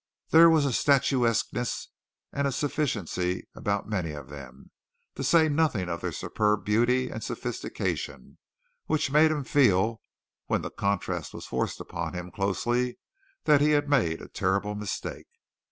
There was a statuesqueness and a sufficiency about many of them, to say nothing of their superb beauty and sophistication which made him feel, when the contrast was forced upon him closely, that he had made a terrible mistake.